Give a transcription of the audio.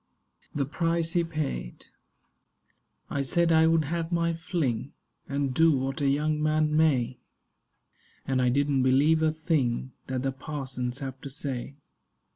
THE PRICE HE PAID I SAID I would have my fling, And do what a young man may; And I didn't believe a thing That the parsons have to say.